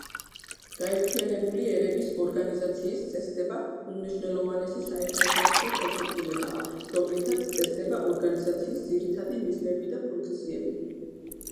გაერთიანებული ერების ორგანიზაციის წესდება უმნიშვნელოვანესი საერთაშორისო ხელშეკრულებაა, რომლითაც წესდება ორგანიზაციის ძირითადი მიზნები და ფუნქციები.